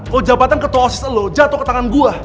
kalo jabatan ketua osis lu jatuh ke tangan gue